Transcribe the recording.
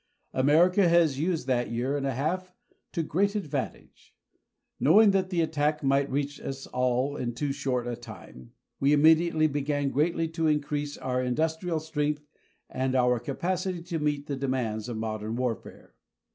America has used that year and a half to great advantage. Knowing that the attack might reach us in all too short a time, we immediately began greatly to increase our industrial strength and our capacity to meet the demands of modern warfare.